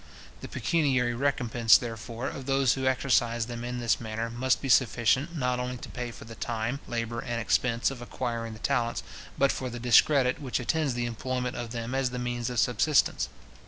The pecuniary recompence, therefore, of those who exercise them in this manner, must be sufficient, not only to pay for the time, labour, and expense of acquiring the talents, but for the discredit which attends the employment of them as the means of subsistence.